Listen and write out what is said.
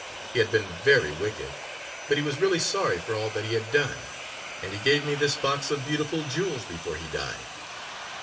He had been very wicked, but he was really sorry for all that he had done, and he gave me this box of beautiful jewels before he died.